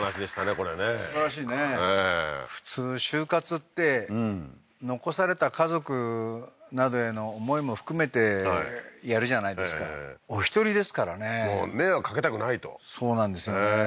これねすごいすばらしいね普通終活って残された家族などへの思いも含めてやるじゃないですかお一人ですからねもう迷惑かけたくないとそうなんですよね